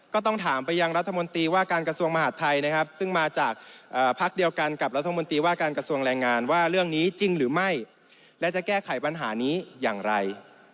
ก็ต้องถามไปยังรัฐมนตรีว่าการกระทรวงมหาดไทยนะครับซึ่งมาจากพักเดียวกันกับรัฐมนตรีว่าการกระทรวงแรงงานว่าเรื่องนี้จริงหรือไม่และจะแก้ไขปัญหานี้อย่างไร